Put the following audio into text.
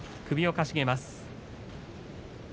首をかしげます。